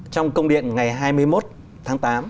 trong công điện ngày hai mươi một tháng tám